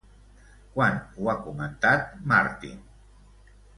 Quan ho ha comentat Martin?